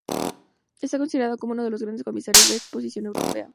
Está considerado como uno de los grandes comisarios de exposición europea.